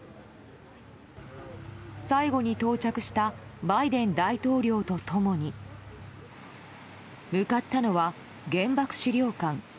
最後に到着したバイデン大統領と共に向かったのは原爆資料館。